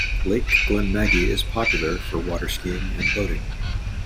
Lake Glenmaggie is popular for waterskiing and boating.